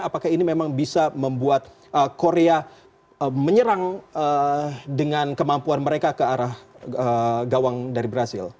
apakah ini memang bisa membuat korea menyerang dengan kemampuan mereka ke arah gawang dari brazil